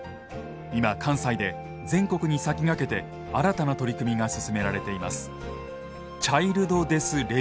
今関西で全国に先駆けて新たな取り組みが進められています。